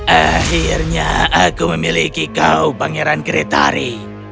akhirnya aku memiliki kau pangeran gretari